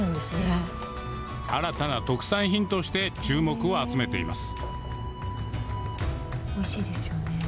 新たな特産品として注目を集めています